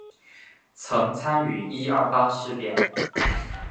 曾参与一二八事变。